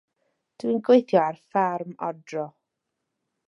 Dw i'n gweithio ar ffarm odro.